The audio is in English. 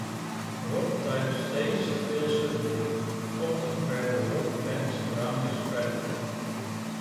Rod-type stays fail suddenly, often where the rod bends around a spreader.